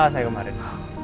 kepala saya kemarin